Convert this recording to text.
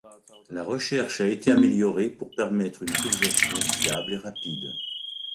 La recherche a été améliorée pour permettre une utilisation fiable et rapide.